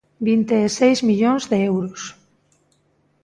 Vinte e seis millóns de euros.